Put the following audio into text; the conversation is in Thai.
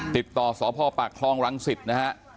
ติดต่อสพปคลองรังศิษฐ์นะฮะ